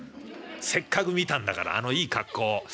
せっかく見たんだからあのいい格好を。